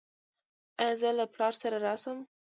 ایا زه له پلار سره راشم؟